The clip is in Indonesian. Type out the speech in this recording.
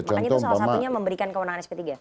makanya itu salah satunya memberikan kewenangan sp tiga